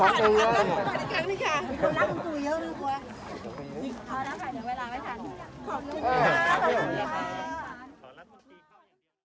พอแล้วค่ะเดี๋ยวเวลาไม่ทันขอบคุณค่ะขอบคุณค่ะ